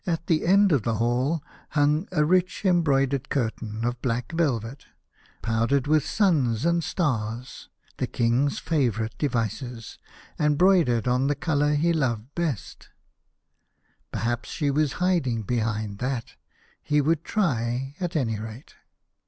At the end of the hall hung a richly em 5 2 The Birthday of the Infanta. broidered curtain of black velvet, powdered with suns and stars, the King's favourite devices, and broidered on the colour he loved best. Perhaps she was hiding behind that ? He would try at any rate.